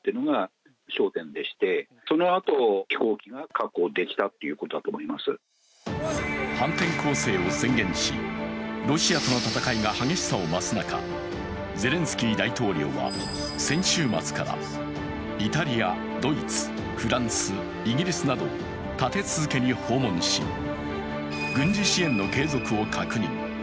田崎氏によると反転攻勢を宣言し、ロシアとの戦いが激しさを増す中、ゼレンスキー大統領は先週末から、イタリア、ドイツ、フランス、イギリスなど立て続けに訪問し、軍事支援の継続を確認。